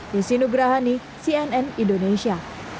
di sinugrahani cnn indonesia